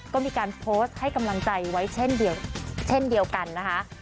ก็มีการโพสต์ให้กำลังใจไว้เช่นเดียวเช่นเดียวกันนะคะ